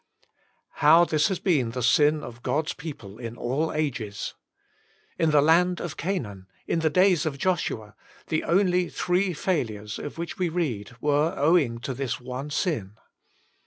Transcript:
How this has been the sin of God's people in all ages ! In the land of Canaan, in the days of Joshua, the only three failures of which we read WAITING ON GODt were owing to this one sin.